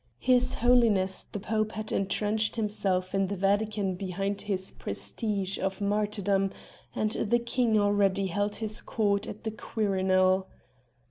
His Holiness the Pope had entrenched himself in the Vatican behind his prestige of martyrdom; and the King already held his court at the Quirinal.